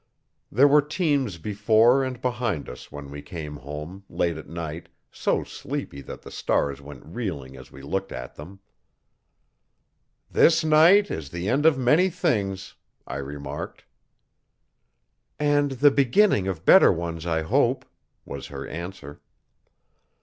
There were teams before and behind us when we came home, late at night, so sleepy that the stars went reeling as we looked at them. 'This night is the end of many things,' I remarked. 'And the beginning of better ones, I hope,' was her answer.